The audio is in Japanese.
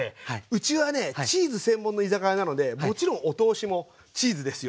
うちはねチーズ専門の居酒屋なのでもちろんお通しもチーズですよ。